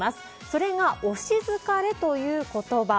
それが推し疲れという言葉。